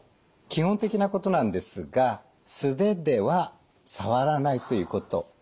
基本的なことなんですが素手では触らないということ。